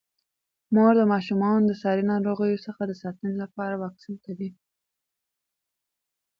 مور د ماشومانو د ساري ناروغیو څخه د ساتنې لپاره واکسین کوي.